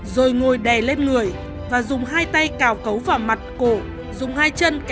rồi ngồi đè lên người và dùng hai tay cào cấu vào mặt cổ dùng hai tay đánh cào cấu vào mặt cổ